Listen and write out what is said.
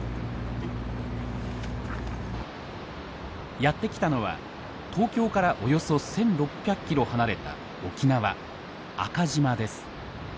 やって来たのは東京からおよそ１，６００キロ離れた沖縄阿嘉島です。